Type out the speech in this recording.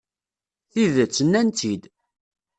Tidet, nnan-tt-id.